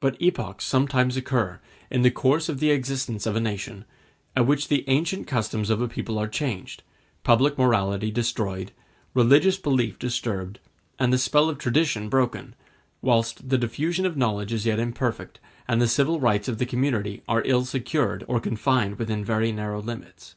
But epochs sometimes occur, in the course of the existence of a nation, at which the ancient customs of a people are changed, public morality destroyed, religious belief disturbed, and the spell of tradition broken, whilst the diffusion of knowledge is yet imperfect, and the civil rights of the community are ill secured, or confined within very narrow limits.